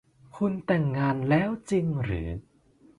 คุณแต่งงานแล้วจริงหรือ